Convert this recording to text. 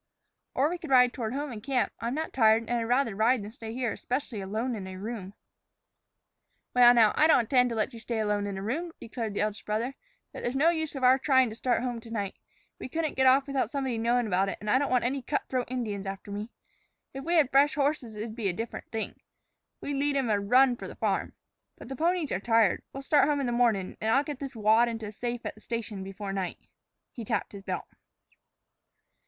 "Or we could ride toward home and camp. I'm not tired, and I'd rather ride than stay here, especially alone in a room." "Well, now, I don't intend to let you stay alone in a room," declared the eldest brother. "But there's no use of our tryin' to start home to night. We couldn't get off without somebody knowin' about it, and I don't want any cutthroat Indians after me. If we had fresh horses it'd be a different thing. We'd lead 'em a run for the farm. But the ponies are tired. We'll start home in the mornin', and I'll get this wad into a safe at the station before night." He tapped his belt.